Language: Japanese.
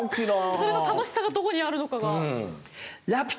それの楽しさがどこにあるのかが。